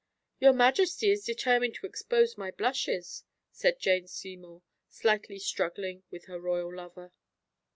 "Your majesty is determined to expose my blushes," said Jane Seymour, slightly struggling with her royal lover.